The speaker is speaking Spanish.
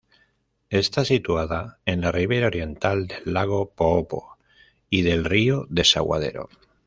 Está situada en la ribera oriental del Lago Poopó y del río Desaguadero.